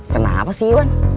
kenapa sih iwan